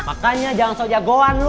makanya jangan so jagoan lu